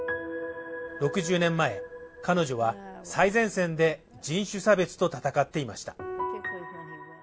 ６０年前、彼女は最前線で人種差別と闘っていました。